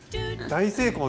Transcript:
大成功！